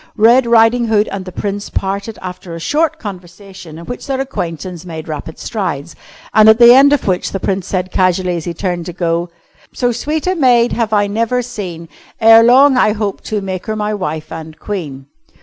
Red Riding Hood and the Prince parted after a short conversation in which their acquaintance made rapid strides, and at the end of which the Prince said casually as he turned to go: "So sweet a maid have I never seen, Ere long I hope to make her my wife and queen."